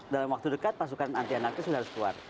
dalam waktu dekat pasukan anti anarkis sudah harus keluar